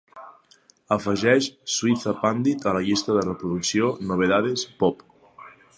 Afegeix Shweta Pandit a la llista de reproducció Novedades Pop.